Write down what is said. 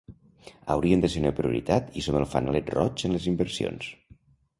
“Hauríem de ser una prioritat i som el fanalet roig en les inversions”.